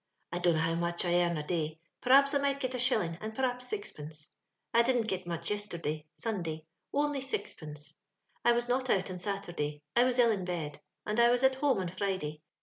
" I dunno how much I earn a day — p'rhaps I may git a shilling, and p'rhaps sixpence. I didn't git much yesterday (Sunday) — only sixpence. I was not out on Saturday ; I was ill in bed, and I was at home on Friday.